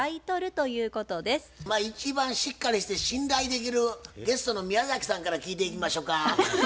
まあ一番しっかりして信頼できるゲストの宮崎さんから聞いていきましょか。